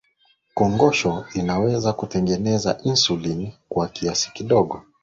kongosho inaweza kutengeneza insulini kwa kiasi kidogo